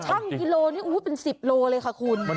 ชั่งกิโลวิตหุ่ยเป็น๑๐กิโลเลย